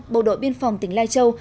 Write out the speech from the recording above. bộ đội biên phòng tỉnh lai châu